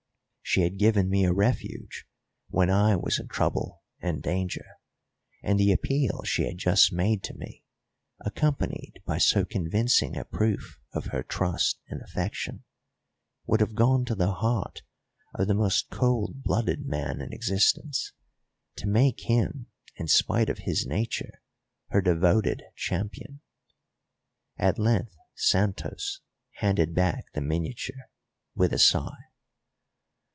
She had given me a refuge when I was in trouble and danger, and the appeal she had just made to me, accompanied by so convincing a proof of her trust and affection, would have gone to the heart of the most cold blooded man in existence, to make him, in spite of his nature, her devoted champion. At length Santos handed back the miniature, with a sigh.